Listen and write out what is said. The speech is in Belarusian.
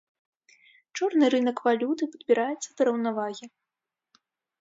Чорны рынак валюты падбіраецца да раўнавагі.